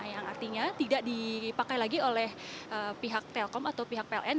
yang artinya tidak dipakai lagi oleh pihak telkom atau pihak pln